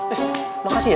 eh makasih ya